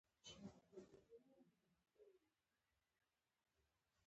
پښتون د باطل مخالف دی.